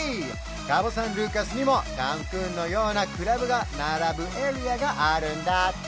カボ・サン・ルーカスにもカンクンのようなクラブが並ぶエリアがあるんだって！